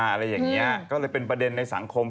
อะไรอย่างนี้ก็เลยเป็นประเด็นในสังคม